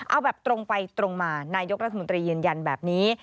เอาแบบตรงไปตรงมานายกรัฐมนตรียืนยันแบบนี้